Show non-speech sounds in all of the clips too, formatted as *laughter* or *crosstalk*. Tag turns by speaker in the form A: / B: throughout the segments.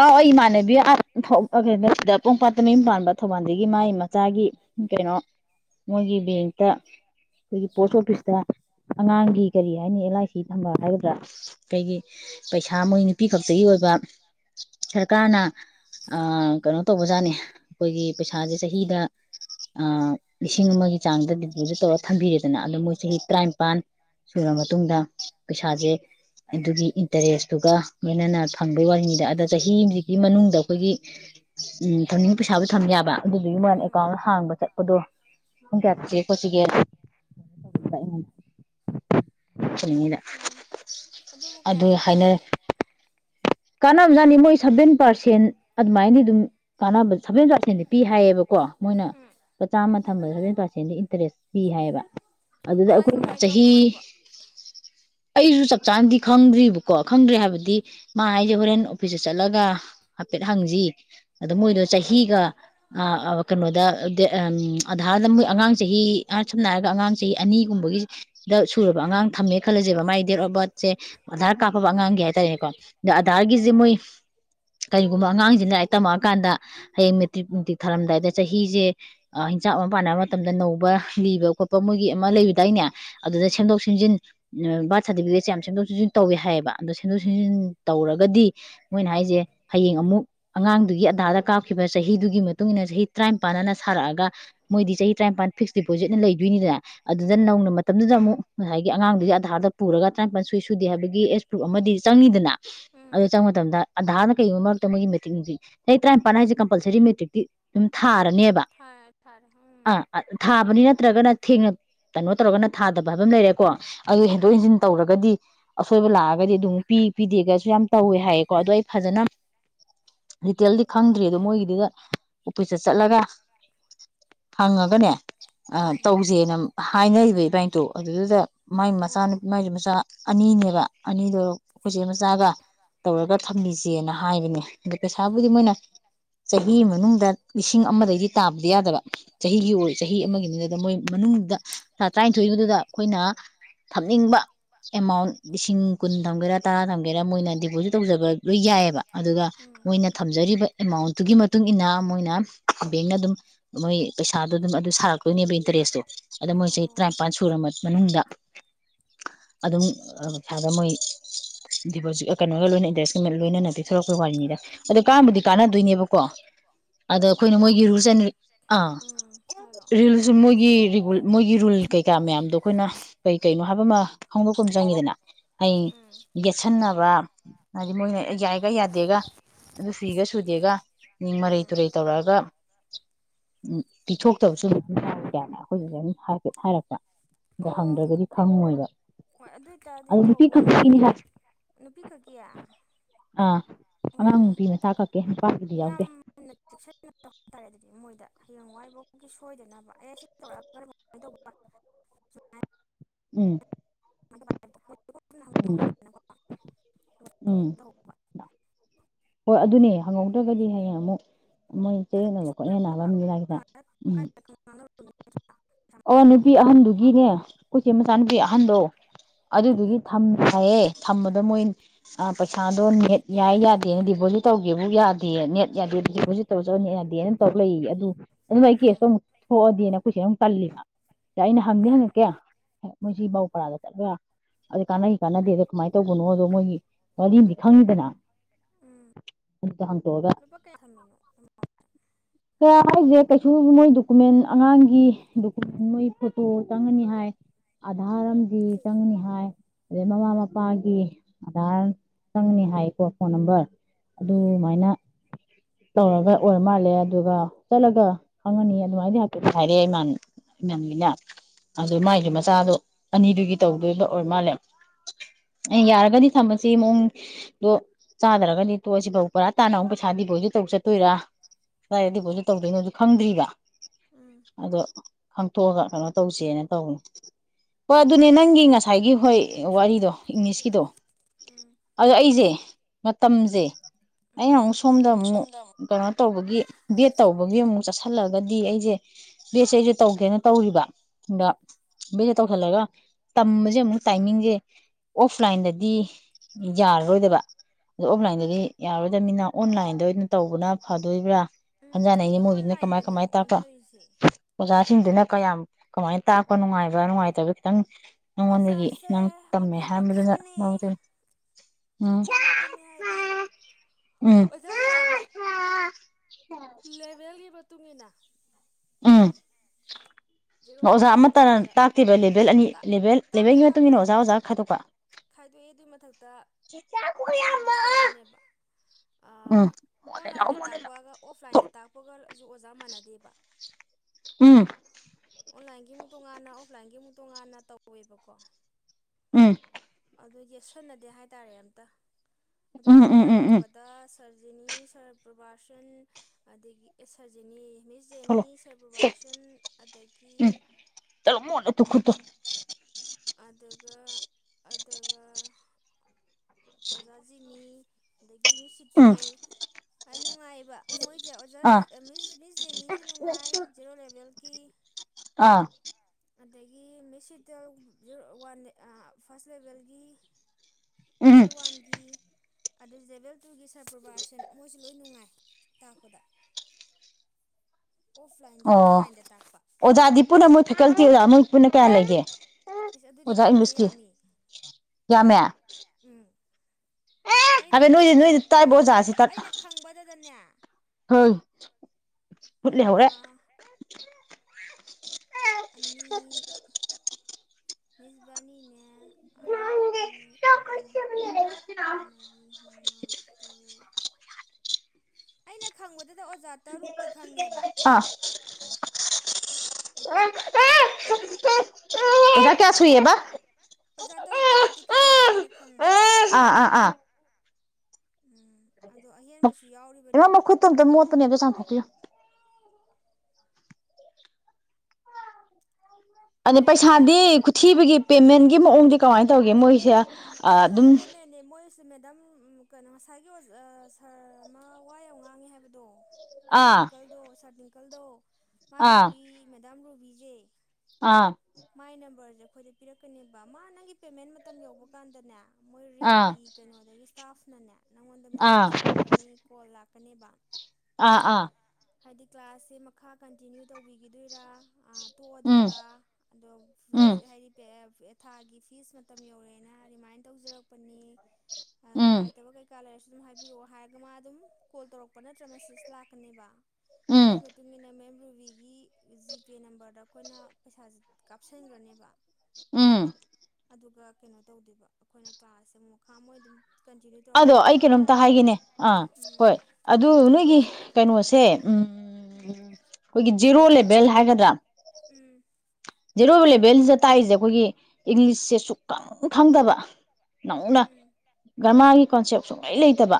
A: ꯑꯥꯎ ꯑꯩ ꯏꯃꯥꯟꯅꯕꯤ ꯑꯩꯅꯣ ꯁꯤꯗ ꯄꯣꯡꯄꯥꯠꯇ ꯃꯌꯨꯝ ꯄꯥꯟꯕ ꯊꯧꯕꯥꯜꯗꯒꯤ ꯃꯥꯒꯤ ꯃꯆꯥꯒꯤ ꯀꯩꯅꯣ ꯃꯣꯏꯒꯤ ꯕꯦꯡꯇ ꯑꯩꯈꯣꯏꯒꯤ ꯄꯣꯁ ꯑꯣꯐꯤꯁꯇ ꯑꯉꯥꯡꯒꯤ ꯀꯔꯤ ꯍꯥꯏꯅꯤ ꯑꯦꯜ ꯑꯥꯏ ꯁꯤ ꯊꯝꯕ ꯍꯥꯏꯒꯗ꯭ꯔꯥ ꯑꯩꯈꯩꯒꯤ ꯄꯩꯁꯥ ꯃꯣꯏ ꯅꯨꯄꯤ ꯈꯛꯇꯒꯤ ꯑꯣꯏꯕ ꯁꯔꯀꯥꯔꯅ ꯀꯩꯅꯣ ꯇꯧꯕꯖꯥꯠꯅꯦ ꯑꯩꯈꯣꯏꯒꯤ ꯄꯩꯁꯥꯁꯦ ꯆꯍꯤꯗ ꯂꯤꯁꯤꯡ ꯑꯃꯒꯤ ꯍ ꯆꯥꯡꯗ ꯗꯤꯄꯣꯖꯤꯠ ꯇꯧꯔ ꯊꯝꯕꯤꯔꯦꯗꯅ ꯑꯗꯣ ꯃꯣꯏ ꯆꯍꯤ ꯇꯔꯥꯅꯤꯄꯥꯟ ꯁꯔꯕ ꯃꯇꯨꯡꯗ ꯄꯩꯁꯥꯁꯦ ꯑꯗꯨꯒꯤ ꯏꯟꯇꯔꯦꯁꯇꯨꯒ ꯃꯅ ꯒꯤ ꯋꯥꯔꯤꯉꯗ ꯑꯗ ꯆꯍꯤꯁꯤꯒꯤ ꯃꯅꯨꯡꯗ ꯑꯩꯈꯣꯏꯒꯤ ꯎ ꯊꯝꯅꯤꯡꯕ ꯄꯩꯁꯥꯕꯨ ꯊꯝ ꯌꯥꯕ ꯑꯗꯨꯗꯨꯒꯤ ꯃꯗ
B: ꯎꯝ
A: ꯑꯦꯀꯥꯎꯟ ꯍꯥꯡꯕ ꯆꯠꯄꯗꯣ ꯄꯨꯡ ꯀꯌꯥ ꯆꯤꯒꯦ ꯈꯣꯠꯒꯦꯠꯅꯤꯡꯉꯤꯗ
B: ꯎꯝ ꯑꯗꯨꯕꯨ
A: ꯑꯗꯨ
B: ꯀꯌꯥꯝ
A: ꯍꯥꯏꯅꯔꯦ
B: ꯀꯥꯟꯅꯒꯦ
A: ꯀꯥꯟꯅꯕꯖꯥꯠꯅꯤ ꯃꯣꯏ ꯁꯚꯦꯟ ꯄꯥꯔꯁꯦꯟ ꯑꯗꯨꯃꯥꯏꯅꯗꯤ ꯑꯗꯨꯝ ꯀꯥꯟꯅꯕ ꯁꯚꯦꯟ ꯄꯥꯔꯁꯦꯟꯗꯤ ꯄꯤ ꯍꯥꯏꯌꯦꯕꯀꯣ ꯃꯣꯏꯅ
B: ꯎꯝ
A: ꯃ ꯆꯥꯝꯃ ꯊꯝꯕꯗ ꯁꯚꯦꯟ ꯄꯥꯔꯁꯦꯟꯗꯤ ꯏꯟꯇꯔꯦꯁ ꯄꯤ ꯍꯥꯏꯌꯦꯕ ꯑꯗꯨꯗ
B: ꯀꯃꯥꯏ
A: ꯑꯩꯈꯣꯏꯅ
B: ꯀꯃꯥꯏ
A: ꯆꯍꯤ
B: ꯇꯧꯕꯅꯣꯕ
A: ꯑꯩꯁꯨ ꯆꯞ ꯆꯥꯅꯗꯤ ꯈꯪꯗ꯭ꯔꯤꯕꯀꯣ ꯈꯪꯗ꯭ꯔꯦ ꯍꯥꯏꯕꯗꯤ ꯃꯥ ꯍꯥꯏꯁꯦ ꯍꯣꯔꯦꯟ ꯑꯣꯐꯤꯁꯇ ꯆꯠꯂꯒ ꯍꯥꯏꯐꯦꯠ ꯍꯪꯁꯤ ꯑꯗ
B: ꯎꯝ
A: ꯃꯣꯏꯗ ꯆꯍꯤ ꯆꯍꯤꯤꯒ ꯑ ꯀꯩꯅꯣꯗ ꯑꯙꯥꯔꯗ ꯃꯣꯏ ꯑꯉꯥꯡ ꯆꯍꯤ ꯁꯝꯅ ꯍꯥꯏꯔꯒ ꯑꯉꯥꯡ ꯆꯍꯤ ꯑꯅꯤꯒꯨꯝꯕꯒꯤꯗ ꯁꯨꯔꯕ ꯑꯉꯥꯡ ꯊꯝꯃꯦ ꯈꯜꯂꯁꯦꯕ ꯃꯥꯒꯤ ꯗꯦꯠ ꯑꯣꯐ ꯕꯥꯔꯠꯁꯦ ꯑꯙꯥꯔ ꯀꯥꯞꯄꯕ ꯑꯉꯥꯡꯒꯤ ꯍꯥꯏꯇꯥꯔꯦꯀꯣ ꯑꯗ
B: ꯎꯝ
A: ꯑꯙꯥꯔꯒꯤꯁꯦ ꯃꯣꯏ ꯀꯔꯤꯒꯨꯝꯕ ꯑꯉꯥꯡꯁꯤꯡꯅ ꯂꯥꯏꯔꯤꯛ ꯇꯝꯃꯛꯑꯀꯥꯟꯗ ꯍꯌꯦꯡ ꯃꯦꯇ꯭ꯔꯤꯛ ꯅꯨꯡꯇ꯭ꯤꯛ ꯊꯥꯔꯝꯗꯥꯏꯗ ꯆꯍꯤꯁꯦ ꯍꯤꯟꯆꯥꯛ ꯑꯃ ꯄꯥꯟꯅꯕ ꯃꯇꯝꯗ ꯅꯧꯕ ꯂꯤꯕ ꯈꯣꯠꯄ ꯃꯣꯏꯒꯤ ꯑꯃ ꯂꯩꯕꯗꯥꯏꯅꯦ ꯑꯗꯨꯅ
B: ꯎꯝ
A: ꯁꯦꯝꯗꯣꯛ ꯁꯦꯝꯖꯤꯟ ꯕꯥꯔꯊ ꯁꯥꯔꯇꯤꯐꯤꯀꯦꯠꯁꯦ ꯌꯥꯝ ꯁꯦꯝꯗꯣꯛ ꯁꯦꯝꯖꯤꯟ ꯇꯧꯋꯦ ꯍꯥꯏꯌꯦꯕ ꯑꯗꯣ ꯁꯦꯝꯗꯣꯛ
B: ꯎꯝ
A: ꯁꯦꯝꯖꯤꯟ ꯇꯧꯔꯒꯗꯤ ꯃꯣꯏꯅ ꯍꯥꯏꯁꯦ ꯍꯌꯦꯡ ꯑꯃꯨꯛ ꯑꯉꯥꯡꯗꯨꯒꯤ ꯑꯙꯥꯗ ꯀꯥꯞꯈꯤꯕ ꯆꯍꯤꯗꯨꯒꯤ ꯃꯇꯨꯡꯟꯅ ꯆꯍꯤ ꯇꯔꯥꯅꯤꯄꯥꯟꯅ ꯁꯥꯔꯛꯑꯒ ꯃꯣꯏꯗꯤ ꯆꯍꯤ ꯇꯔꯥꯅꯤꯄꯥꯟ ꯐꯤꯛꯁ ꯗꯤꯄꯣꯖꯤꯠꯅ ꯂꯩꯗꯣꯏꯅꯤꯗꯅ
B: ꯎꯝ
A: ꯑꯗꯨꯗꯅ ꯅꯧꯅ ꯃꯇꯝꯗꯨꯗ ꯑꯃꯨꯛ ꯉꯁꯥꯏꯒꯤ ꯑꯉꯥꯡꯗꯨꯒꯤ ꯑꯙꯥꯔꯗ ꯄꯨꯔꯒ ꯇꯔꯥꯅꯤꯄꯥꯟ ꯁꯣꯏ ꯁꯨꯗꯦ ꯍꯥꯏꯕꯒꯤ ꯑꯦꯖ ꯄ꯭ꯔꯨꯐ ꯑꯃꯗꯤ ꯆꯪꯅꯤ
B: ꯎꯝ
A: ꯑꯗꯨ ꯆꯪꯕ ꯃꯇꯝꯗ ꯑꯙꯥꯅ ꯀꯩꯒꯨꯝꯕ ꯃꯔꯛꯇ ꯃꯣꯏꯒꯤ ꯃꯦꯇꯤꯛ ꯂꯩ ꯇꯔꯥꯅꯤꯄꯥꯟ ꯍꯥꯏꯁꯦ ꯀꯝꯄꯜꯁꯔꯤ ꯃꯦꯇ꯭ꯔꯤꯛꯇꯤ ꯑꯗꯨꯝ ꯊꯥꯔꯅꯦꯕ
B: ꯊꯥꯔꯦ ꯊꯥꯔꯦ ꯎꯝ
A: ꯑꯥ ꯊꯥꯕꯅꯤ ꯅꯠꯇ꯭ꯔꯒꯅ ꯊꯦꯡꯅ ꯀꯩꯅꯣ ꯇꯧꯔꯒꯅꯥ ꯊꯥꯗꯕ ꯍꯥꯏꯕ ꯑꯃ ꯂꯩꯔꯦꯀꯣ ꯑꯗꯨ
B: ꯎꯝ
A: ꯍꯦꯟꯗꯣꯛ ꯍꯦꯟꯖꯤꯟ ꯇꯧꯔꯒꯗꯤ ꯑꯁꯣꯏꯕ ꯂꯥꯛꯑꯒꯗꯤ ꯑꯗꯨꯝꯨꯛ ꯄꯤ ꯄꯤꯗꯦꯒꯁꯨ ꯌꯥꯝ ꯇꯧꯋꯦ ꯍꯥꯏꯌꯦꯀꯣ ꯑꯗꯣ ꯑꯩ ꯐꯖꯅ ꯗꯤꯇꯦꯜꯗꯤ ꯈꯪꯗ꯭ꯔꯤ ꯑꯗꯣ ꯃꯣꯏꯒꯤꯗꯨꯗ ꯑꯣꯐꯁꯇ ꯆꯠꯂꯒ ꯍꯪꯉꯒꯅꯦ ꯑ
B: ꯎꯝ
A: ꯇꯧꯁꯦꯅ ꯍꯥꯏꯅꯔꯤꯕ ꯏꯕꯥꯏꯅꯤꯇꯣ ꯑꯗꯨꯗꯨꯗ ꯃꯥꯏ
B: ꯑꯣ ꯎꯝ
A: ꯃꯆꯥꯅꯨꯄꯤ ꯃꯥꯏꯗꯨ ꯃꯆꯥ ꯑꯅꯤꯅꯦꯕ ꯑꯅꯤꯗꯣ ꯑꯩꯣꯏꯆꯦ ꯃꯆꯥꯒ ꯇꯧꯔꯒ ꯊꯝꯕꯤꯁꯦꯅ ꯍꯥꯏꯕꯅꯦ ꯑꯗꯨꯗꯥ ꯄꯩꯁꯥꯕꯨꯗꯤ ꯃꯣꯏꯅ ꯆꯍꯤ ꯃꯅꯨꯡꯗ ꯂꯤꯁꯤꯡ ꯑꯃꯗꯩꯗꯤ ꯇꯥꯕꯗꯤ ꯌꯥꯗꯕ ꯆꯍꯤꯒꯤ ꯑꯣꯏ ꯆꯍꯤ ꯑꯃꯒꯤꯅꯤꯗ ꯃꯣꯏ ꯃꯅꯨꯡꯗ ꯊꯥ ꯇꯔꯥꯅꯤꯊꯣꯏꯗꯨꯗ ꯑꯩꯈꯣꯏꯅ ꯊꯝꯅꯤꯡꯕ ꯑꯦꯃꯥꯎꯟ ꯂꯤꯁꯤꯡ ꯀꯨꯟ ꯊꯝꯒꯦꯔꯥ ꯊꯝꯒꯦꯔꯥ ꯃꯣꯏꯅ ꯗꯤꯄꯣꯖꯤꯠ ꯇꯧꯖꯕ ꯂꯣꯏ ꯌꯥꯏꯑꯕ ꯑꯗꯨꯒ
B: ꯎꯝ ꯎꯝ ꯎꯝ
A: ꯃꯣꯏꯅ ꯊꯝꯖꯔꯤꯕ ꯑꯦꯃꯥꯎꯟꯇꯨꯒꯤ ꯃꯇꯨꯡ ꯃꯇꯨꯡꯏꯟꯅ ꯃꯣꯏꯅ ꯕꯦꯡꯅ ꯑꯗꯨꯝ ꯃꯣꯏ ꯄꯩꯁꯥꯗꯣ ꯑꯗꯨꯝ ꯑꯗꯨ ꯁꯥꯔꯛꯇꯣꯏꯅꯦꯕ ꯏꯟꯇꯔꯦꯁꯇꯣ ꯑꯗ ꯃꯣꯏ ꯆꯍꯤ ꯇꯔꯥ
B: ꯑꯣ
A: ꯄꯥꯟꯁꯨꯔꯝꯥꯁꯨ ꯃꯅꯨꯡꯗꯥ ꯑꯗꯨꯝ ꯐꯥꯁꯥꯗ‌ꯣ ꯃꯣꯏ ꯗꯤꯄꯣꯖꯤꯠꯀ ꯀꯩꯅꯣꯒ ꯂꯣꯏꯅ ꯏꯟꯗꯔꯦꯁꯀ ꯂꯣꯏꯅꯅ ꯄꯤꯊꯣꯔꯛꯄꯒꯤ ꯋꯥꯔꯤꯅꯤꯗꯥ ꯑꯗ ꯀꯥꯟꯕꯨꯗꯤ ꯀꯥꯟꯅꯗꯣꯏꯅꯦꯕꯀꯣ ꯑꯗ
B: ꯑꯗꯨꯗꯤ
A: ꯑꯩꯈꯣꯏꯅ
B: ꯌꯥꯝ
A: ꯃꯣꯏꯒꯤ ꯔꯨꯜꯁ ꯑꯦꯟ ꯑꯥ
B: ꯎꯝ ꯍꯥꯏꯔꯛꯑꯣ
A: ꯔꯔꯤꯜꯁꯨ ꯃꯣꯏꯒꯤ ꯃꯣꯏꯒꯤ ꯔꯨꯜ ꯀꯩꯀꯥ ꯃꯌꯥꯝꯗꯣ ꯑꯩꯈꯣꯏꯅ ꯀꯩ ꯀꯩꯅꯣ ꯍꯥꯏꯕ ꯑꯃ ꯈꯪꯗꯣꯛꯄ ꯑꯃ ꯆꯪꯉꯤꯗꯅ ꯍꯌꯦꯡ
B: ꯎꯝ
A: ꯆꯠꯁꯟꯅꯕ ꯍꯥꯏꯗꯤ ꯃꯣꯏꯅ ꯌꯥꯏꯒ ꯌꯥꯗꯦꯒ ꯑꯗꯨ ꯁꯨꯏꯒ ꯁꯨꯗꯦꯒ ꯃꯤꯡ ꯃꯔꯩ
B: ꯎꯝ
A: ꯇꯨꯔꯩ ꯇꯧꯔꯛꯑꯒ ꯄꯤꯊꯣꯛꯇꯕꯁꯨ ꯑꯩꯈꯣꯏꯒꯤ ꯍꯥꯏꯔꯛꯄꯥ ꯑꯗ
B: ꯑꯣ
A: ꯍꯪꯗ꯭ꯔꯒꯗꯤ ꯈꯪꯉꯣꯏꯕ
B: ꯍꯣꯏ ꯑꯗꯨ ꯑꯣꯏꯇꯥꯔꯗꯤ
A: ꯑꯗꯣ ꯅꯨꯄꯤ
B: ꯇꯧꯕ
A: ꯈꯛ
B: ꯃꯇꯝꯗ ꯅꯨꯄꯤ ꯀꯀꯤ ꯑꯣ
A: ꯑꯥ ꯑꯉꯥꯡ ꯅꯨꯄꯤ ꯃꯆꯥ ꯈꯛꯀꯤ ꯅꯨꯄꯥꯒꯤꯗꯤ ꯌꯥꯎꯗꯦ
B: ꯌꯥꯝꯟꯅ ꯆꯦꯛꯁꯤꯟꯅ ꯇꯧ ꯇꯥꯔꯦ ꯑꯗꯨꯗꯤ ꯃꯣꯏꯗ ꯍꯌꯦꯡꯋꯥꯏꯐꯥꯎꯥꯒꯤ ꯁꯣꯏꯗꯅꯕ ꯑꯦ ꯁꯤ ꯇꯧꯔ ꯇꯧꯕ ꯁꯥꯏ
A: ꯎꯝ
B: *unintelligible* ꯍꯪꯍꯧꯔꯦꯗꯅꯀꯣ ꯑꯗꯨꯒ
A: ꯎꯝ
B: ꯊꯕꯛꯇꯣ
A: ꯎꯝ
B: ꯇꯧꯍꯧꯕ
A: ꯍꯣꯏ ꯑꯗꯨꯅꯦ ꯍꯪꯍꯧꯗ꯭ꯔꯒꯗꯤ ꯍꯌꯦꯡ ꯑꯃꯨꯛ ꯃꯣꯏ
B: ꯅꯠꯇ꯭ꯔꯗꯤ
A: ꯆꯌꯦꯛꯅꯕ ꯈꯣꯠꯅ
B: ꯁꯣꯏꯔꯒ
A: ꯅꯥꯅꯤꯅꯁꯤꯗ
B: ꯀꯅꯥꯗ
A: ꯎꯝ
B: ꯀꯥꯏꯗ ꯉꯥꯡꯅꯔꯨꯅꯤ ꯅꯠꯇ꯭ꯔꯥ ꯄꯩꯁꯥ
A: ꯑꯣ ꯅꯨꯄꯤ
B: ꯃꯥꯡꯗꯣꯏꯅꯦꯕ
A: ꯑꯍꯟꯗꯨꯒꯤꯅꯦ ꯀꯣꯏꯆꯦ ꯃꯆꯥ ꯅꯨꯄꯤ ꯑꯍꯟꯗꯣ ꯑꯗꯨꯗꯨꯒꯤꯝ ꯍꯥꯏꯌꯦ ꯊꯝꯕꯗ ꯃꯣꯏ ꯄꯩꯁꯥꯗꯣ ꯅꯦꯠ ꯌꯥꯏ ꯌꯥꯗꯦ ꯗꯤꯄꯣꯖꯤꯠ ꯇꯧꯈꯤꯕꯕꯨ ꯌꯥꯗꯦ ꯅꯦꯠ ꯌꯥꯗꯦ ꯑꯗꯨꯗꯤ ꯗꯤꯄ‌ꯣꯖꯤꯠ ꯇꯧꯔ ꯆꯠꯂ ꯅ ꯌꯥꯗꯦ ꯑꯗꯨꯝ ꯇꯧꯔ ꯂꯩꯛꯏ ꯑꯗꯨ ꯑꯗꯨꯃꯥꯏ ꯑꯩ
B: ꯎꯝ
A: ꯀꯦꯁꯇꯣ ꯑꯃꯨꯛ ꯊꯣꯛꯑꯗꯤꯦꯅ ꯑꯩꯈꯣꯏꯁꯦ ꯑꯗꯨ ꯀꯜꯂꯤꯦꯕ ꯑꯗ ꯑꯩꯅ ꯍꯪꯗꯤ ꯍꯪꯉꯛꯀꯦ ꯃꯣꯏꯁꯤ ꯕꯥꯎ ꯄꯔꯥꯗ ꯆꯠꯂꯒ ꯑꯗꯨ ꯀꯥꯟꯅꯩ ꯀꯥꯟꯅꯗꯦꯗ ꯀꯃꯥꯏꯅ ꯇꯧꯕꯅꯣꯗꯣ ꯃꯣꯏꯒꯤ ꯋꯥꯔꯤꯝꯗꯤ ꯈꯪꯉꯤꯗꯅ
B: ꯎꯝ
A: ꯑꯗꯨꯗ ꯍꯥꯡꯇꯣꯛꯑꯒ
B: ꯂꯨꯄꯥ ꯀꯌꯥ ꯊꯝꯃꯤꯅꯣ
A: ꯀꯌꯥ ꯍꯥꯏꯁꯦ ꯀꯩꯁꯨ ꯃꯣꯏ ꯗꯣꯀꯨꯃꯦꯟ ꯑꯉꯥꯡꯒꯤ ꯗꯣꯀꯨꯦꯟꯣꯏ ꯁꯨ ꯆꯪꯉꯅꯤ ꯍꯥꯏ ꯑꯙꯥꯔ ꯑꯃꯗꯤ ꯆꯪꯉꯅꯤ ꯍꯥꯏ ꯑꯗꯩ ꯃꯃꯥ ꯃꯄꯥꯒꯤ ꯑꯙꯥꯔ ꯆꯪꯅꯤ ꯍꯥꯏꯀꯣ ꯐꯣꯟ ꯅꯝꯕꯔ ꯑꯗꯨ
B: ꯎꯝ
A: ꯃꯥꯏꯅ ꯇꯧꯔꯒ ꯑꯣꯏ ꯃꯥꯜꯂꯦ ꯑꯗꯨꯒ ꯆꯠꯂꯒ ꯈꯪꯉꯅꯤ ꯑꯗꯨꯃꯥꯏꯗꯤ ꯍꯥꯏꯐꯦꯠ ꯍꯥꯏꯔꯦ ꯏꯃꯥꯟ ꯏꯃꯟꯒꯤꯅ ꯑꯗꯨ ꯃꯥꯏꯒꯤ ꯃꯆꯥꯗꯣ ꯑꯅꯤꯗꯨꯒꯤ ꯇꯧꯗꯣꯏꯕ ꯑꯣꯏꯔ ꯃꯥꯜꯂꯦ ꯑ ꯌꯥꯔꯒꯗꯤ ꯊꯝꯃꯁꯤ ꯃꯑꯣꯡꯗꯣ ꯆꯥꯗ꯭ꯔꯒꯗꯤ ꯇꯣꯛꯑꯁꯤꯐꯧ ꯄꯨꯔꯥ ꯇꯥꯅ ꯑꯃꯨꯛ ꯄꯩꯁꯥꯗꯤꯐꯧꯗꯤ ꯇꯧ ꯆꯠꯇꯣꯏꯔꯥ ꯁꯥꯏꯗ ꯗꯤꯄꯣꯖꯤꯠ ꯇꯧꯗꯣꯏꯅꯣ ꯑꯗꯨ ꯈꯪꯗ꯭ꯔꯤꯕ
B: ꯎꯝ
A: ꯑꯗꯣ ꯈꯪꯊꯣꯛꯑꯒ ꯀꯩꯅꯣ ꯇꯧꯁꯦꯅ ꯇꯧꯕꯅꯤ ꯍꯣꯏ
B: ꯑꯣ
A: ꯑꯗꯨꯅꯦ
B: ꯎꯝ
A: ꯅꯪꯒꯤ ꯉꯁꯥꯏꯒꯤ ꯍꯣꯏ ꯋꯥꯔꯤꯗꯣ ꯏꯪꯂꯤꯁꯀꯤꯗꯣ
B: ꯎꯝ ꯎꯝ
A: ꯑꯗꯣ ꯑꯩꯁꯦ ꯃꯇꯝꯁꯦ ꯑꯩꯅ
B: ꯎꯝ
A: ꯑꯃꯨꯛ ꯁꯣꯝꯗ ꯑꯃꯨꯛ ꯀꯩꯅꯣ ꯇꯧꯕꯒꯤ ꯕꯦꯠ ꯇꯧꯕꯒꯤ ꯑꯃꯨꯛ ꯆꯠꯁꯤꯜꯂꯒꯗꯤ ꯑꯩꯁꯦ ꯕꯦꯠꯁꯦ ꯑꯩꯁꯦ ꯇꯧꯒꯦꯅ ꯇꯧꯔꯤꯕ ꯑ ꯕꯦꯠꯁꯦ ꯇꯧꯁꯜꯂꯒ ꯇꯝꯕꯁꯦ ꯑꯃꯨꯛ ꯇꯥꯏꯃꯤꯡꯁꯦ ꯑꯣꯐꯂꯥꯏꯟꯗꯗꯤ ꯌꯥꯔꯔꯣꯏꯗꯕ ꯑꯣ
B: ꯎꯝ
A: ꯑꯣꯐꯂꯥꯏꯟꯗꯗꯤ ꯌꯥꯔꯣꯏꯗꯕꯅꯤꯅ ꯑꯣꯟꯂꯥꯏꯟꯗ ꯑꯣꯏꯅ ꯇꯧꯕꯅ ꯐꯗꯣꯏꯕ꯭ꯔꯥ ꯍꯟꯖꯥꯟꯅꯩꯅ
B: ꯑꯩꯁꯨ
A: ꯃꯣꯏꯗꯨꯅ ꯀꯃꯥꯏ
B: ꯑꯣꯟꯂꯥꯏꯟꯗꯅꯦ
A: ꯀꯃꯥꯏꯅ ꯇꯥꯛꯄ
B: ꯑꯣꯟꯊꯔꯤꯁꯦ
A: ꯑꯣꯖꯥꯁꯤꯡꯗꯨꯅ ꯀꯌꯥꯝ ꯀꯃꯥꯏꯅ ꯇꯥꯛꯄ ꯅꯨꯡꯉꯥꯏꯕ ꯅꯨꯡꯉꯥꯏꯇꯕ ꯈꯤꯇꯪ ꯅꯉꯣꯟꯗꯒꯤ
B: ꯑꯣꯖꯥꯁꯦ
A: ꯅꯪ ꯇꯝꯃꯦ
B: ꯃꯈꯟ
A: ꯍꯥꯏꯔꯝꯕꯗꯨꯗ
B: ꯃꯈꯟꯅꯤ
A: ꯂꯧ ꯎꯝ
B: ꯃꯈꯟ ꯃꯈꯟꯅꯤ ꯍꯥꯏꯗꯤ
A: ꯎꯝ
B: ꯂꯦꯕꯦꯜꯒꯤ ꯃꯇꯨꯡ ꯇꯨꯡ ꯏꯟꯅ
A: ꯎꯝ
B: ꯖꯦꯔꯣ
A: ꯑꯣꯖꯥ
B: ꯂꯦꯚꯦꯜꯗ
A: ꯑꯃꯠꯇꯅ
B: ꯑꯣꯖꯥ
A: ꯇꯥꯛꯇꯦꯕ ꯂꯦꯚꯦꯜ ꯑꯅꯤ ꯂꯦꯚꯦꯜ
B: ꯇꯥꯛꯇꯦ
A: ꯂꯦꯚꯦꯜꯒꯤ ꯃꯇꯨꯡ
B: ꯇꯥꯛꯇꯦ
A: ꯏꯟꯅ ꯑꯣꯖꯥ ꯑꯣꯖꯥ ꯈꯥꯏꯗꯣꯛꯄ
B: ꯈꯥꯏꯗꯣꯛꯑꯦ ꯑꯗꯨꯏ ꯃꯊꯛꯇ ꯀꯩꯅꯣꯁꯨ ꯇꯧꯗꯣꯏꯅꯦꯕ
A: ꯎꯝ ꯎꯝ
B: ꯑꯣꯟꯂꯥꯏꯟꯗ ꯇꯥꯛꯄꯒ ꯑꯣꯐꯂꯥꯏꯟꯗ ꯇꯥꯛꯄꯒꯁꯨ ꯑꯣꯖꯥ ꯃꯥꯟꯅꯗꯦꯕ
A: ꯎꯝ
B: ꯑꯣꯟꯂꯥꯏꯟꯒꯤ ꯑꯃꯨꯛ ꯇꯣꯉꯥꯟꯅ ꯑꯣꯐꯂꯥꯏꯟꯒꯤ ꯑꯃꯨꯛ ꯇꯣꯡꯉꯥꯟꯅ ꯇꯧꯋꯦꯕꯀꯣ
A: ꯎꯝ
B: ꯑꯗꯨ ꯌꯦꯠꯁꯟꯅꯗꯦ ꯍꯥꯏꯇꯥꯔꯦ ꯑꯃꯇ ꯑꯗꯣ
A: ꯎꯝ
B: ꯑꯩꯅ
A: ꯎꯝ ꯎꯝ ꯎꯝ
B: ꯇꯥꯛꯂꯛꯄꯗ ꯁꯔꯖꯤꯅꯤ ꯁꯔ ꯄ꯭ꯔꯕꯥꯁꯟ ꯑꯗꯒꯤ ꯑꯦꯁ ꯁꯔꯖꯤꯅꯤ ꯃꯤꯁ ꯖꯦꯅꯤ
A: ꯊꯣꯛꯂꯛꯑꯣ
B: ꯁꯔꯕꯕꯥꯁꯟ ꯑꯗꯒꯤ
A: ꯎꯝ ꯆꯠꯂꯣ ꯃꯣꯠꯂꯦ ꯇꯨ ꯈꯨꯠꯇꯣ
B: ꯑꯗꯨꯒ ꯑꯗꯨꯒ ꯑꯣꯖꯥ ꯖꯤꯃꯤ ꯑꯗꯒꯤ ꯃꯤꯁ
A: ꯎꯝ
B: ꯁꯤꯇꯜ ꯍꯥꯏ ꯅꯨꯡꯉꯥꯏꯑꯕ ꯃꯣꯏꯁꯦ ꯑꯣꯖꯥ
A: ꯑꯥ
B: ꯃꯤꯁ ꯖꯦꯅꯤꯁꯨ ꯅꯨꯡꯉꯥꯏ ꯖꯦꯔꯣ ꯂꯦꯚꯦꯜ
A: ꯑꯥ
B: ꯑꯗꯒꯤ ꯃꯤꯁ ꯁꯤꯠꯇꯜ ꯖꯔꯣ ꯋꯥꯟ ꯐꯥꯔꯁ ꯂꯦꯚꯦꯜꯒꯤ
A: ꯎꯝ
B: ꯂꯦꯕꯦꯜ ꯋꯥꯟꯒꯤ ꯑꯗ ꯗꯦꯕꯦꯜ ꯑꯗꯨꯒꯤ ꯁꯔꯄ꯭ꯔꯕꯥꯔꯁꯟ ꯃꯣꯏꯁꯨ ꯂꯣꯏ ꯅꯨꯡꯉꯥꯏ ꯇꯥꯛꯄꯗ ꯑꯣꯐꯂꯥꯏꯟꯗ
A: ꯑꯣ
B: ꯑꯣꯟꯂꯥꯏꯟꯗ ꯇꯥꯛꯄ
A: ꯑꯣꯖꯥꯗꯤ ꯄꯨꯟꯅ ꯃꯣꯏ ꯐꯦꯀꯜꯇꯤ ꯑꯣꯖꯥ ꯃꯣꯏ ꯄꯨꯟꯅ ꯀꯌꯥ ꯂꯩꯒꯦ
B: ꯑꯦꯁ ꯑꯗꯨꯗꯤ
A: ꯑꯣꯖꯥ
B: ꯈꯪꯗꯦ
A: ꯏꯪꯂꯤꯁꯀꯤ
B: ꯌꯥꯝꯃꯤ
A: ꯌꯥꯝꯃꯦ
B: ꯎꯝ ꯑꯩꯅ
A: ꯍꯥꯏꯕ ꯅꯣꯏꯗꯤ
B: ꯑꯩꯅ
A: ꯅꯣꯏꯗꯤ ꯇꯥꯛꯏꯕ ꯑꯣꯖꯥꯁꯤ
B: ꯑꯩꯅꯕ
A: ꯇꯠ
B: ꯑꯩꯅ ꯈꯪꯕꯗꯗꯅꯦ
A: ꯍꯣꯏ ꯍꯨꯠ
B: ꯑꯃ
A: ꯂꯩꯍꯧꯔꯦ
B: ꯃꯤꯁ ꯕꯥꯅꯤꯅꯦ ꯑꯃ ꯑꯅꯤ ꯑꯍꯨꯝ ꯃꯔꯤ ꯃꯉꯥ ꯇꯔꯨꯛ ꯑꯩꯅ ꯈꯪꯕꯗ ꯗ ꯑꯣꯖꯥ ꯇꯔꯨꯛꯇꯤ ꯈꯪꯉꯦꯕ
A: ꯑꯥ ꯑꯣꯖꯥ ꯀꯌꯥ ꯁꯨꯏꯌꯦꯕ
B: ꯑꯣꯖꯥ ꯇꯔꯨꯛ ꯇꯔꯦꯠꯇꯤ ꯈꯪꯉꯦꯕ
A: ꯑꯥ
B: ꯑꯩꯅ ꯈꯪꯕꯗ ꯎꯝ ꯑꯗꯣ ꯑꯍꯦꯟꯕꯁꯨ
A: ꯏꯃ
B: ꯌꯥꯎꯔꯤꯕꯅꯦꯕ
A: ꯃꯈꯨꯠꯇꯣ ꯑꯃꯇ ꯃꯣꯠꯕꯅꯦ ꯆꯥꯝꯊꯣꯛꯄꯤꯌꯣ ꯑꯗ
B: ꯑꯍꯦꯟꯕ ꯑꯣꯖꯥ
A: ꯄꯩꯁꯥꯗꯤ
B: ꯈꯔꯁꯨ
A: ꯈꯨꯊꯤꯕꯒꯤ ꯄꯦꯃꯦꯟꯒꯤ ꯃꯑꯣꯡꯗꯤ ꯀꯃꯥꯏꯅ ꯇꯧꯒꯦ ꯃꯣꯏꯁꯦ
B: ꯑꯣꯟꯂꯥꯏꯟ
A: ꯑꯗꯨꯝ
B: ꯄꯦꯃꯦꯟ ꯃꯣꯏ ꯁꯤ ꯃꯦꯗꯥꯝ ꯀꯩꯅꯣ ꯉꯁꯥꯏꯒꯤꯖꯥ ꯁꯥꯔ ꯑꯃ ꯋꯥ ꯌꯥꯝ ꯉꯥꯡꯉꯦ ꯍꯥꯏꯕꯗꯣ ꯁꯗꯤ
A: ꯑꯥ
B: ꯏꯪꯀꯜꯗꯣ ꯁꯥ ꯑꯀꯜꯗꯣ ꯃꯥꯏ
A: ꯑꯥ
B: ꯅꯨꯄꯤ ꯃꯦꯗꯥꯝ ꯔ ꯕꯤꯖꯦ
A: ꯑꯥ
B: ꯃꯥꯏ ꯅꯝꯕꯔ ꯑꯩꯈꯣꯏꯗ ꯄꯤꯔꯛꯀꯅꯦꯕ ꯃꯥ ꯅꯪꯒꯤ ꯄꯦꯃꯦꯟ ꯃꯇꯝ ꯌ ꯄꯥꯟꯗꯅ ꯃꯣꯏ
A: ꯑꯥ
B: ꯔꯦꯠꯀꯤ ꯀꯩꯅꯣꯗꯒꯤ ꯏꯁꯇꯥꯐꯅꯅ ꯅꯪꯉꯣꯟꯗ
A: ꯑꯥ
B: ꯃꯦꯁꯦꯁ ꯇꯧꯔꯛꯀꯅꯤ ꯀꯣꯜ ꯂ ꯀꯅꯤꯕ
A: ꯑꯥ ꯑꯥ
B: ꯍꯥꯏꯗꯤ ꯀ꯭ꯂꯥꯁꯁꯦ ꯃꯈꯥ ꯀꯟꯇꯤꯅ꯭ꯌꯨ ꯇꯧꯕꯤꯈꯤꯗꯣꯏꯔꯥ
A: ꯎꯝ
B: ꯇꯣꯛꯑꯗꯕ꯭ꯔꯥ ꯑꯗꯣ
A: ꯎꯝ
B: ꯐꯤꯁ ꯍꯥꯏꯗꯤ ꯊꯥꯒꯤ ꯐꯤꯁ ꯃꯇꯝ ꯌꯧꯔꯦꯅ ꯑꯗꯨꯔꯤꯃꯥꯏꯅ ꯇꯧꯖꯔꯛꯄꯅꯤ ꯑ ꯅꯅꯨꯡꯥꯏ
A: ꯎꯝ
B: ꯇꯕ ꯀꯩ ꯀꯥꯂꯁ ꯑꯗꯨꯝ ꯍꯥꯏꯕꯤꯔꯛꯑꯣ ꯍꯥꯏꯔꯒ ꯃꯥ ꯑꯗꯨꯝ ꯀꯣꯜ ꯇꯧꯔꯛꯄ ꯅꯠꯇ꯭ꯔ ꯃꯦꯁꯦꯁ ꯂꯥꯛꯀꯅꯦꯕ ꯑꯗꯨꯏ
A: ꯎꯝ
B: ꯃꯇꯨꯡꯟꯅ ꯃ ꯇꯤꯒꯤ ꯖꯤꯄꯦ ꯅꯝꯕꯔꯗ ꯑꯩꯈꯣꯏꯅ ꯄꯩꯁꯥꯁꯦ ꯀꯥꯞꯁꯤꯟꯈ꯭ꯔꯅꯦꯕ
A: ꯎꯝ
B: ꯑꯗꯨꯗꯒ ꯀꯩꯅ ꯇꯧꯗꯦꯕ ꯑꯩꯈꯣꯏꯅ ꯀ꯭ꯂꯥꯁꯁꯦ ꯑꯃꯨꯛ ꯃꯈꯥ ꯃꯣꯏ ꯑꯗꯨꯝ ꯀꯟꯇꯤꯅ꯭ꯌꯨ
A: ꯑꯗꯣ
B: ꯇꯧꯔꯛꯇꯣꯏꯕ
A: ꯑꯩ
B: ꯑꯩꯈꯣꯏꯅ ꯌꯥꯎ
A: ꯀꯩꯅꯣꯝꯇ ꯍꯥꯏꯒꯦꯅꯦ ꯑꯥ ꯍꯣꯏ ꯑꯗꯨ ꯅꯣꯏꯒꯤ ꯀꯩꯅꯣꯁꯦ ꯎꯝ
B: ꯎꯝ ꯎꯝ
A: ꯑꯩꯈꯣꯏꯒꯤ ꯖꯦꯔꯣ ꯂꯦꯚꯦꯜ ꯍꯥꯏꯒꯗ꯭ꯔꯥ
B: ꯎꯝ
A: ꯑꯔꯣꯏꯕ ꯂꯦꯚꯦꯜꯁꯤꯗ ꯇꯥꯛꯏꯁꯦ ꯑꯩꯈꯣꯏꯒꯤ ꯏꯪꯂꯤꯁꯁꯦ ꯁꯨꯛꯈꯪ ꯈꯪꯗꯕ ꯅꯧꯅ
B: ꯎꯝ
A: ꯔꯃꯒꯤ ꯀꯣꯟꯁꯦꯞ ꯁꯨꯡꯂꯩ ꯂꯩꯇꯕ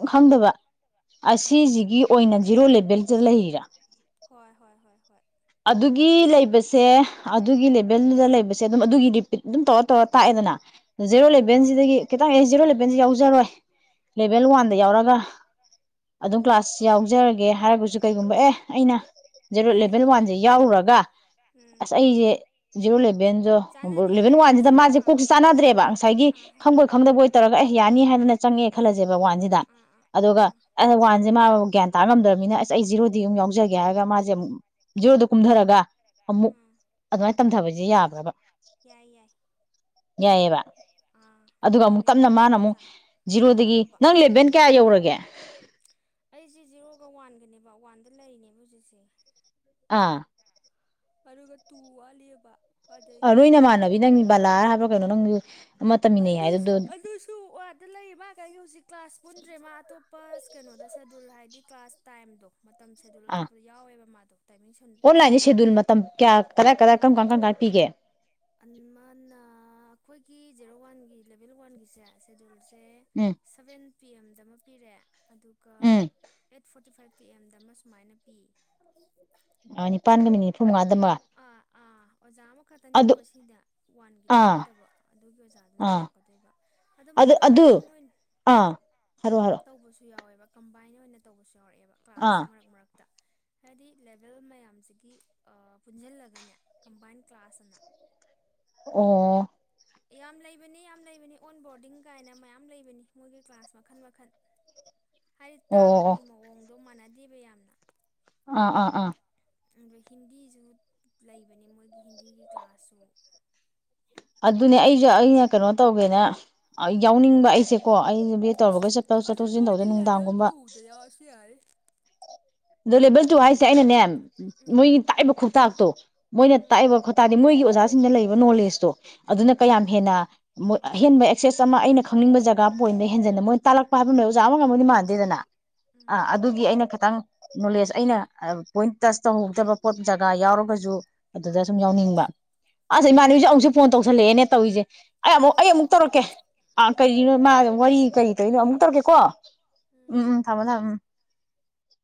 B: ꯍꯣꯏ
A: ꯈꯪꯗꯕ
B: ꯎꯝ
A: ꯑꯁꯤꯁꯤꯒꯤ ꯑꯣꯏꯅ ꯖꯤꯦꯔꯣ ꯂꯦꯚꯦꯜꯗ ꯂꯩꯔꯥ
B: ꯍꯣꯏ ꯍꯣꯏ ꯍꯣꯏ ꯍꯣꯏ
A: ꯑꯗꯨꯒꯤ ꯂꯩꯕꯁꯦ ꯑꯗꯨꯒꯤ ꯂꯦꯚꯦꯜꯗꯨꯗ ꯂꯩꯕꯁꯦ ꯑꯗꯨꯝ ꯑꯗꯨꯒꯤ ꯔꯤꯄꯤꯠ ꯑꯗꯨꯝ ꯇꯧꯔ ꯇꯧꯔ ꯇꯥꯛꯑꯦꯗꯅ ꯖꯦꯔꯣ
B: ꯎꯝ
A: ꯏꯂꯚꯦꯟꯁꯤꯗꯒꯤ ꯈꯤꯇꯪ ꯑꯩ ꯖꯦꯔꯣ ꯏꯂꯦꯚꯦꯟꯁꯤ ꯌꯥꯎꯖꯔꯣꯏ ꯂꯦꯚꯦꯜ
B: ꯎꯝ
A: ꯋꯥꯟꯗ ꯌꯥꯎꯔꯒ ꯑꯗꯨꯝ ꯀ꯭ꯂꯥꯁ ꯌꯥꯎꯖꯔꯒꯦ ꯍꯥꯏꯔꯒꯁꯨ ꯀꯩꯒꯨꯝꯕ ꯑꯦ ꯑꯩꯅ ꯖꯦꯔꯣ ꯏꯂꯦꯚꯦꯟ
B: ꯌꯥꯏꯌꯦ
A: ꯋꯥꯟ ꯁꯦ
B: ꯌꯥꯏꯌꯦ
A: ꯌꯥꯎꯔꯨꯔꯒ
B: ꯎꯝ
A: ꯑꯁ ꯑꯩꯁꯦ ꯖꯤꯦꯔꯣ
B: ꯆꯥꯟꯅꯗꯦ
A: ꯂꯚꯦꯟꯂꯚꯦꯟ ꯋꯥꯟꯁꯤꯗ
B: ꯍꯥꯏꯔꯒꯁꯨ
A: ꯃꯥꯁꯦ
B: ꯑꯥ ꯑꯥ
A: ꯀꯣꯛꯁꯤ ꯆꯥꯟꯅꯗ꯭ꯔꯦꯕ ꯉꯁꯥꯏꯒꯤ
B: ꯑꯥ
A: ꯈꯪꯕꯣꯏ ꯈꯪꯗꯕꯣꯏ ꯇꯧꯔꯒ ꯑꯩ ꯌꯥꯅꯤ ꯍꯥꯏꯗꯅ ꯆꯪꯉꯦ ꯈꯜꯂꯁꯦꯕ ꯋꯥꯟꯁꯤꯗ
B: ꯑꯥ ꯑꯥ
A: ꯑꯗꯨꯒ
B: ꯑꯥ
A: ꯑꯁ ꯋꯥꯟꯁꯦ ꯃꯥ ꯒ꯭ꯌꯥꯟ ꯇꯥ ꯉꯝꯗ꯭ꯔꯅꯤꯅ ꯑꯁ ꯑꯩ ꯖꯤꯔꯣꯗꯤ ꯑꯗꯨꯝ ꯌꯥꯎꯖꯒꯦ ꯌꯥꯌꯥꯒ ꯃꯥꯖꯦ ꯌꯖꯔꯗꯨ ꯀꯨꯝꯊꯔꯒ ꯑꯃꯨꯛ
B: ꯎꯝ
A: ꯑꯗꯨꯃꯥꯏꯅ ꯇꯝꯊꯕꯁꯦ ꯌꯥꯕ ꯕ
B: ꯌꯥꯏ ꯌꯥꯏ ꯑꯥ
A: ꯑꯗꯨꯒ ꯑꯃꯨꯛ ꯇꯞꯅ
B: ꯂꯦꯚꯦꯜꯗꯣ ꯃꯥꯅ
A: ꯑꯃꯨꯛ ꯖꯤꯔꯣꯗꯒꯤ
B: ꯀꯥꯈꯠꯂꯛꯄ
A: ꯅꯪ
B: ꯎꯝ
A: ꯂꯦꯚꯦꯟ ꯀꯌꯥ ꯌꯧꯔꯒꯦ
B: ꯑꯩꯁꯤ ꯖꯤꯔꯣꯒ ꯋꯥꯟꯒꯅꯦ ꯕꯥ ꯋꯥꯟꯗ ꯂꯩꯔꯤꯅꯦꯕ ꯍꯧꯖꯤꯛꯁꯦ
A: ꯑꯥ
B: ꯑꯔꯒ ꯇꯨ ꯋꯥ ꯂꯦꯕ ꯄꯗꯩ
A: ꯀꯨꯏꯅ ꯃꯥꯟꯅꯕꯤ ꯅꯪ ꯕꯥꯂꯥꯔ ꯍꯥꯏꯕ꯭ꯔ ꯀꯩꯅꯣ ꯅꯪ ꯑꯃ ꯇꯝꯃꯤꯟꯅꯩ ꯍꯥꯏꯗꯨꯗꯣ
B: ꯑꯗꯨꯁꯨ ꯋꯥꯗ ꯂꯩꯌꯦ ꯃꯥ ꯀꯒꯤ ꯍꯧꯖꯤꯛ ꯀ꯭ꯂꯥꯁ ꯄꯨꯟꯗ꯭ꯔꯦ ꯃꯥ ꯑꯇꯣꯞ ꯄꯁ ꯀꯩꯅꯣꯗ ꯁꯦꯗꯨꯜ ꯍꯥꯏꯗꯤ ꯀ꯭ꯂꯥꯁ ꯇꯥꯏꯝꯗꯣ ꯃꯇꯝ ꯁꯦꯗꯨꯜ ꯑꯠꯊꯣꯛꯄ ꯌꯥꯎꯋꯦꯕ ꯃꯥꯗꯣ ꯇꯥꯏꯃꯤꯡ
A: ꯑꯣꯟꯂꯥꯏꯟꯁ ꯁꯦꯗꯨꯜ
B: ꯁꯪꯅꯗꯗꯅ
A: ꯃꯇꯝ ꯀꯌꯥ ꯀꯗꯥꯏ ꯀꯗꯥꯏ ꯀꯔꯝ ꯀꯥꯟ ꯀꯔꯝ ꯀꯥꯟ ꯄꯤꯒꯦ
B: ꯃꯥꯅ ꯑꯩꯈꯣꯏꯒꯤ ꯖꯦꯔꯣ ꯋꯥꯟꯒꯤ ꯂꯦꯚꯦꯜ ꯋꯥꯟꯒꯤꯁꯦ ꯁꯦꯗꯨꯜꯁ ꯦ
A: ꯎꯝ
B: ꯁꯚꯦꯟ ꯄꯤ ꯑꯦꯝꯗ ꯄꯤꯔꯦ ꯑꯗꯨꯒ ꯑꯩꯠ ꯐꯣꯔꯇꯤ ꯇꯨ ꯐꯥꯏꯚ ꯄꯤ ꯑꯦꯝꯗ ꯑꯃ ꯁꯨꯃꯥꯏꯅ ꯄꯤ
A: ꯑ ꯅꯤꯄꯥꯟꯒ ꯃꯤꯅꯤꯠ ꯅꯤꯐꯨ ꯃꯉꯥꯗꯕ
B: ꯑꯥ ꯑꯥ ꯑꯣꯖꯥ ꯑꯃꯈꯛꯇꯅꯤꯀꯣ ꯁꯤꯗ ꯋꯥꯟꯒꯤ
A: ꯑꯥ
B: ꯇꯥꯛꯀꯗꯕ ꯑꯗꯨꯒꯤ ꯑꯣꯖꯥꯗꯨꯅ
A: ꯑꯥ
B: ꯇꯧꯔꯛꯀꯗꯣꯏꯕ ꯑꯗꯣ ꯃꯣꯏ
A: ꯑꯗꯨ ꯑꯗꯨ
B: ꯀꯝꯕꯥꯏꯟ ꯑꯣꯏꯅ
A: ꯑꯥ ꯍꯥꯏꯔꯛꯑꯣ ꯍꯥꯏꯔꯛꯑꯣ
B: ꯇꯧꯕꯁꯨ ꯌꯥꯎꯋꯦꯕ ꯀꯝꯕꯥꯏꯟ ꯑꯣꯏꯅ ꯇꯧꯕꯁꯦ ꯧꯔꯛꯑꯦꯕ
A: ꯑꯥ
B: ꯀ꯭ꯂꯥꯁꯁꯦ ꯃꯔꯛ ꯃꯔꯛꯇ ꯍꯥꯏꯗꯤ ꯂꯦꯕꯦꯜ ꯃꯌꯥꯝꯁꯤꯒꯤ ꯄꯨꯟꯁꯤꯜꯂꯒꯅꯦ ꯀꯝꯕꯥꯏꯟ ꯀ꯭ꯂꯥꯁ ꯑꯅ
A: ꯑꯣ
B: ꯌꯥꯝ ꯂꯩꯕꯅꯤ ꯌꯥꯝ ꯂꯩꯕꯅꯤ ꯑꯣꯟ ꯕꯣꯔꯗꯤꯡ ꯀꯥꯏꯅ ꯃꯌꯥꯝ ꯂꯩꯕꯅꯤ ꯃꯣꯏꯒꯤ ꯀ꯭ꯂꯥꯁ ꯃꯈꯜ ꯃꯈꯜ ꯍꯥꯏꯗꯤ
A: ꯑꯣ ꯑꯣ
B: ꯇꯥꯛꯄꯒꯤ ꯃꯑꯣꯡꯗ ꯑꯗꯣ ꯃꯥꯟꯅꯗꯦꯕ ꯌꯥꯝꯅ
A: ꯑ ꯑꯥ ꯑꯥ
B: ꯑ ꯍꯤꯟꯗꯤꯁꯨ ꯂꯩꯕꯅꯤ ꯃꯣꯏꯒꯤ ꯍꯤꯟꯗꯤꯒꯤ ꯀ꯭ꯂꯥꯁꯁꯨ
A: ꯑꯗꯨꯅꯦ ꯑꯩꯁꯨ ꯑꯩꯅ ꯀꯩꯅꯣ ꯇꯧꯒꯦꯅꯦ ꯌꯥꯎꯅꯤꯡꯕ ꯑꯩꯁꯦꯀꯣ ꯑꯩ ꯇꯧꯔꯒꯩꯄ
B: ꯑꯗꯣ
A: ꯆꯠꯊꯣꯛ ꯆꯁꯤꯟ ꯇꯧꯗꯦ
B: ꯅꯣꯏꯗꯤ ꯂꯦꯚꯦꯜ
A: ꯅꯨꯡꯗꯥꯡꯒꯨꯝꯕ
B: ꯇꯨꯗ ꯌꯥꯎꯔꯁꯨ ꯌꯥꯔꯦ
A: ꯑ ꯂꯦꯕꯦꯜ ꯇꯨ ꯍꯥꯏꯁꯦ ꯑꯩꯅ ꯅꯦꯝ ꯃꯣꯏ ꯇꯥꯏꯕ ꯈ ꯇꯥꯛꯇꯣ
B: ꯎꯝ
A: ꯃꯣꯏꯅ
B: ꯎꯝ
A: ꯇꯥꯛꯏꯕ ꯈꯣꯇꯥꯅꯤ ꯃꯣꯏꯒꯤ ꯑꯣꯖꯥ ꯁꯤꯡꯗ ꯂꯩꯕ ꯅꯣꯂꯦꯖꯇꯣ ꯑꯗꯨꯅ ꯀꯌꯥꯝ
B: ꯎꯝ
A: ꯍꯦꯟꯅ ꯃꯣꯏ ꯑꯍꯦꯟꯕ ꯑꯦꯛꯁꯦꯁ ꯑꯃ ꯑꯩꯅ ꯈꯪꯅꯤꯡꯕ ꯖꯒꯥ ꯄꯣꯏꯟꯗ ꯍꯦꯟꯖꯟꯅ ꯃꯣꯏꯅ ꯇꯥꯛꯂꯛꯄ ꯍꯥꯏꯕꯗ ꯑꯣꯖꯥ ꯑꯃ ꯉꯝꯃꯗꯤ ꯃꯥꯟꯗꯦꯗꯅ ꯑꯥ
B: ꯎꯝ
A: ꯑꯗꯨꯒꯤ ꯑꯩꯅ ꯈꯤꯇꯪ ꯅꯣꯂꯦꯖ ꯑꯩꯅ ꯄꯣꯏꯟ ꯇꯁ ꯇꯧꯍꯧꯗꯕ ꯄꯣꯠ ꯖꯒꯥ ꯌꯥꯎꯔꯒꯁꯨ ꯑꯗꯨꯗ ꯁꯨꯝ ꯌꯥꯎꯅꯤꯡꯕ ꯑꯁ ꯏꯃꯥꯟꯕꯤꯁꯨꯦ ꯑꯃꯨꯛꯁꯨ
B: ꯎꯝ
A: ꯐꯣꯟ ꯇꯧꯁꯜꯂꯛꯑꯦꯅꯦ ꯇꯧꯔꯤꯁꯦ ꯑꯩ ꯑꯃꯨꯛ
B: ꯍꯣ
A: ꯑꯩ
B: ꯍꯣ
A: ꯑꯃꯨꯛ
B: ꯍꯣꯏ
A: ꯇꯧꯔꯛꯀꯦ ꯑ
B: ꯎꯝ
A: ꯀꯔꯤꯅꯣ ꯃꯥ ꯋꯥꯔꯤ ꯀꯔꯤ ꯀꯔꯤꯅꯣ ꯑꯃꯨꯛ ꯇꯧꯔꯛꯀꯦ ꯀꯣ ꯎꯝ ꯊꯕꯗ ꯎꯝ